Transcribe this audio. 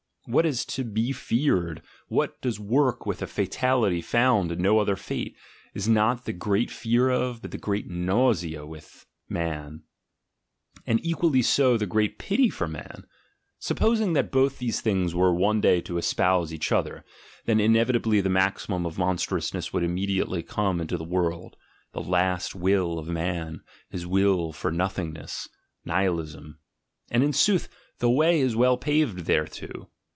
What is to be feared, what does work with a fatality found in no other fate, is not the great fear of, but the great nausea with, man; and equally so the great pity for man. Supposing that both these things were one day to espouse each other, then inevitably the maxi mum of monstrousness would immediately come into the world — the "last will" of man, his will for nothingness, Nihilism. And, in sooth, the way is well paved thereto.